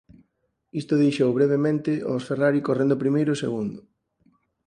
Isto deixou brevemente aos Ferrari correndo primeiro e segundo.